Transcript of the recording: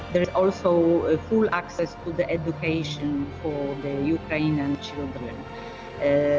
dan juga akses penuh kepada pendidikan untuk anak anak ukraina